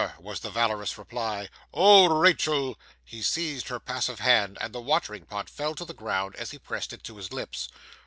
was the valorous reply. 'Oh, Rachael!' He seized her passive hand, and the watering pot fell to the ground as he pressed it to his lips.